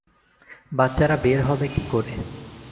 বাচ্চারা বের হবে কীকরে?